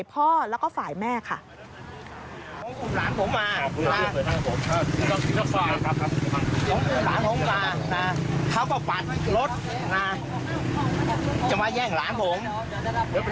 ผู้ชายก็โดดขึ้นหน้ารถ